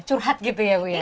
curhat gitu ya bu ya